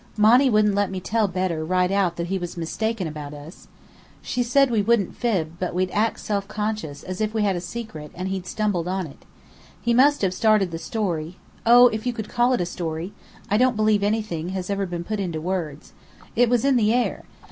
"Monny wouldn't let me tell Bedr right out that he was mistaken about us. She said we wouldn't fib, but we'd act self conscious, as if we had a secret, and he'd stumbled on it. He must have started the story oh, if you could call it a story! I don't believe anything has ever been put into words. It was in the air.